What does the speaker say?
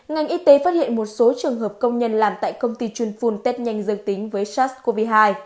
ngành y tế phát hiện một số trường hợp công nhân làm tại công ty chuyên phun tết nhanh dương tính với sars cov hai